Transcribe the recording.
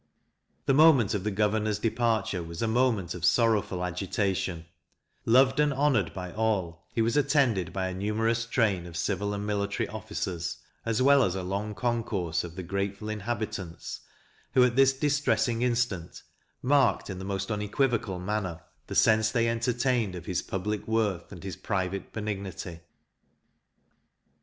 The moment of the governor's departure was a moment of sorrowful agitation: loved and honoured by all, he was attended by a numerous train of civil and military officers, as well as a long concourse of the grateful inhabitants, who, at this distressing instant, marked in the most unequivocal manner the sense they entertained of his public worth and his private benignity.